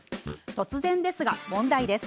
突然ですが、問題です。